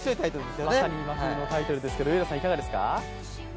まさに注目のタイトルですが上野さん、いかがですか？